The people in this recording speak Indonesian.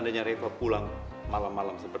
tapi udah bu gapapa